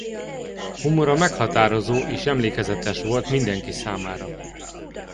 Humora meghatározó és emlékezetes volt mindenki számára.